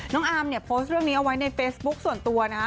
อาร์มเนี่ยโพสต์เรื่องนี้เอาไว้ในเฟซบุ๊คส่วนตัวนะฮะ